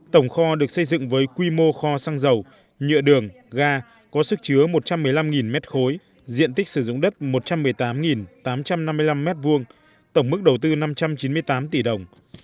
tổng kho được xây dựng với quy mô kho xăng dầu nhựa đường ga có sức chứa một trăm một mươi năm m ba diện tích sử dụng đất một trăm một mươi tám tám trăm năm mươi năm m hai tổng mức đầu tư năm trăm chín mươi tám tỷ đồng